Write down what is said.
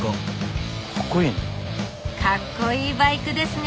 かっこいいバイクですね。